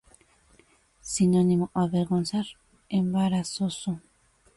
Sinónimo: avergonzar, embarazoso.